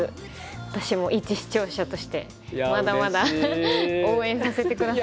私もいち視聴者としてまだまだ応援させてください。